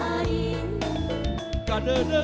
citarum citarum lestari